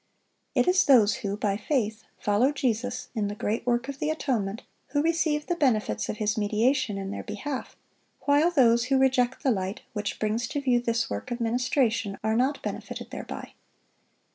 (713) It is those who by faith follow Jesus in the great work of the atonement, who receive the benefits of His mediation in their behalf; while those who reject the light which brings to view this work of ministration, are not benefited thereby.